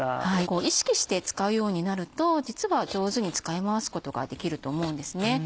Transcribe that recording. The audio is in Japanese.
意識して使うようになると実は上手に使い回すことができると思うんですね。